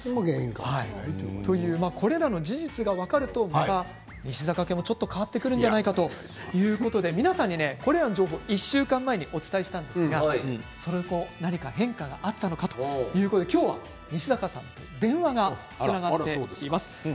これらの事実が分かると、また西坂家も変わってくるんじゃないかということで、皆さんにこれらの情報を１週間前にお伝えしたんですがその後、何か変化したのかということで今日は西坂さんと電話がつながっています。